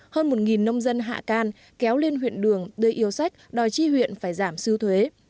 hơn một nông dân hạ can kéo lên huyện đường đưa yêu sách đòi chi huyện phải giảm sưu thuế